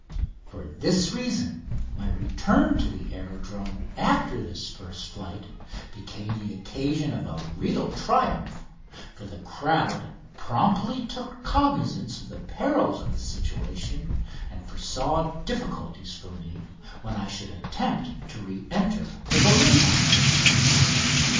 12, 1902] For this reason my return to the aerodrome after this first flight became the occasion of a real triumph, for the crowd promptly took cognisance of the perils of the situation and foresaw difficulties for me when I should attempt to re enter the balloon house.